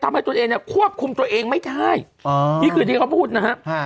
ทำให้ตัวเองควบคุมตัวเองไม่ได้นี่คือที่เขาพูดนะครับ